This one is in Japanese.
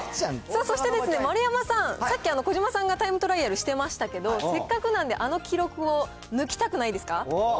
そして丸山さん、さっき児嶋さんがタイムトライアルしてましたけど、せっかくなんであの記録を抜きたくないですか？